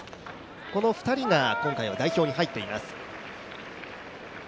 この２人が今回代表に入っています